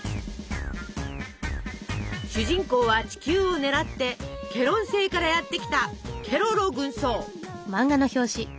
主人公は地球を狙ってケロン星からやって来たケロロ軍曹。